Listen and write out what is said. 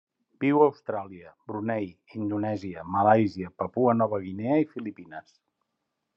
Viu a Austràlia, Brunei, Indonèsia, Malàisia, Papua Nova Guinea i Filipines.